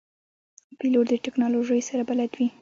پیلوټ د تکنالوژۍ سره بلد وي.